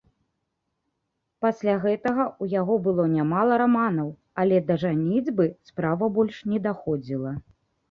Пасля гэтага ў яго было нямала раманаў, але да жаніцьбы справа больш не даходзіла.